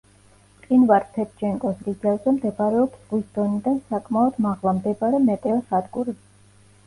მყინვარ ფედჩენკოს რიგელზე მდებარეობს ზღვის დონიდან საკმაოდ მაღლა მდებარე მეტეოსადგური.